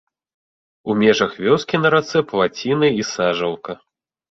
У межах вёскі на рацэ плаціна і сажалка.